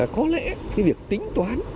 có lẽ cái việc tính toán